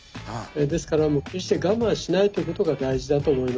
ですから決して我慢しないということが大事だと思います。